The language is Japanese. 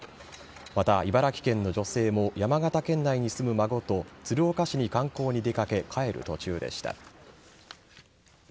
また、茨城県の女性も山形県内に住む孫と鶴岡市に観光に出掛け帰る途中でした。